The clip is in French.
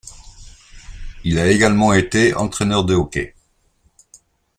Il a également été entraîneur de hockey.